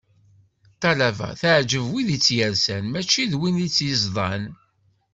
Talaba, teɛǧeb win i tt-yersan mačči d win i tt-yeẓḍan.